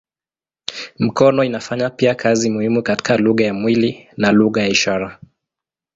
Mikono inafanya pia kazi muhimu katika lugha ya mwili na lugha ya ishara.